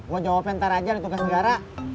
gue jawabin ntar aja ada tugas negara